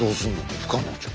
不可能じゃん。